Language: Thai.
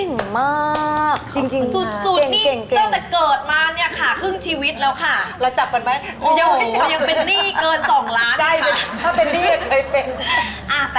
เงินเก็บครับท่านชีวิต